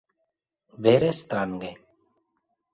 Vere strange.